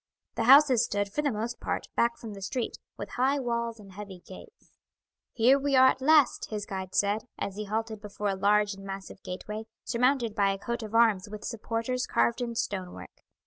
The houses stood, for the most part, back from the street, with high walls and heavy gates. "Here we are at last," his guide said, as he halted before a large and massive gateway, surmounted by a coat of arms with supporters carved in stone work.